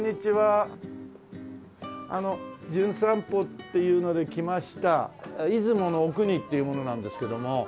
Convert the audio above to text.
あの『じゅん散歩』っていうので来ました出雲阿国っていう者なんですけども。